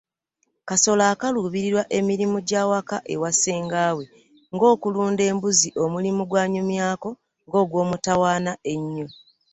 Kasolo akaluubirirwa emirimu gya waka ewa ssenga we ng’okulunda embuzi omulimu gw’anyumyako ng’ogwamutawaanya ennyo.